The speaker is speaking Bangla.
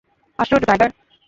আশ্চর্য, টাইগার!